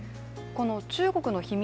この中国の秘密